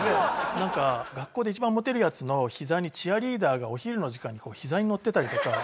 なんか学校で一番モテるヤツの膝にチアリーダーがお昼の時間に膝にのってたりとか。